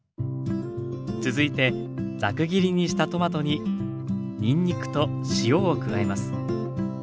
続いてザク切りにしたトマトににんにくと塩を加えます。